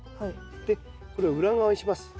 でこれを裏側にします。